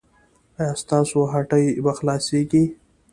ایا ستاسو هټۍ به خلاصیږي؟